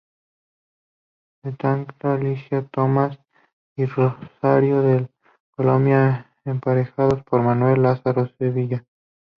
Destacan Alicia Tomás y Rosarito de Colombia, emparejadas por Manuel Lozano Sevilla.